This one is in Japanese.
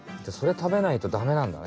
たべないとダメなんだね。